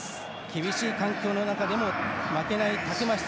厳しい環境の中でも負けないたくましさ